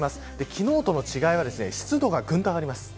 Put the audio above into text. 昨日との違いは湿度がぐんと上がります。